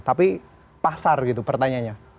tapi pasar pertanyaannya